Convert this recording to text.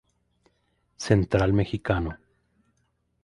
Central Mexicano.